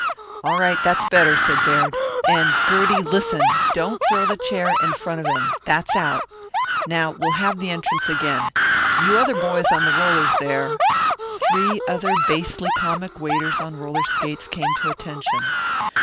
"All right, that's better," said Baird. "And, Gertie, listen: don't throw the chair in front of him. That's out. Now we'll have the entrance again. You other boys on the rollers, there " Three other basely comic waiters on roller skates came to attention.